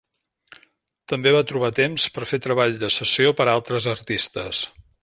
També va trobar temps per fer treball de sessió per a altres artistes.